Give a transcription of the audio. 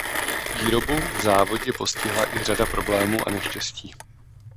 Výrobu v závodě postihla i řada problémů a neštěstí.